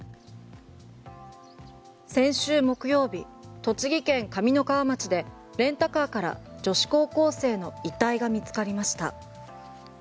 先週木曜日、栃木県上三川町でレンタカーから女子高校生の遺体が見つかりました。